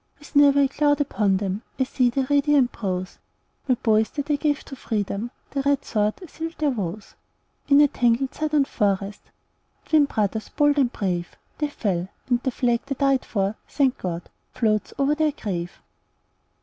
With never a cloud upon them, I see their radiant brows; My boys that I gave to freedom, The red sword sealed their vows! In a tangled Southern forest, Twin brothers bold and brave, They fell; and the flag they died for, Thank God! floats over their grave.